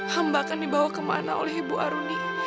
hamba akan dibawa kemana oleh ibu aruni